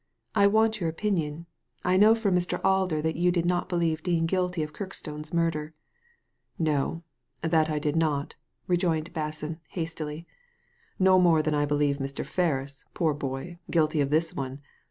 "I want your opinion. I know from Mr. Alder that you did not believe Dean guilty of Kirkstone's murder." *'No. That I did not," rejoined Basson, hastily. •No more than I believe Mr, Ferris — poor boy — guilty of this one.